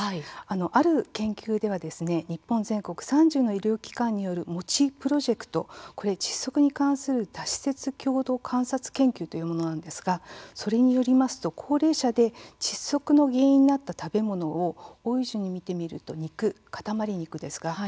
ある研究では日本全国３０医療機関によるＭＯＣＨＩプロジェクト窒息に関する多施設共同研究というものなんですがそれによりますと高齢者で窒息の原因となった食べ物を多い順で見ると肉、塊肉ですね。